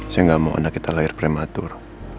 saya nggak mau anak kita lahir prematur